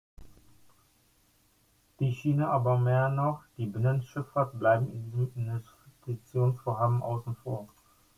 Die Schiene, aber mehr noch die Binnenschifffahrt, bleiben in diesen Investitionsvorhaben außen vor.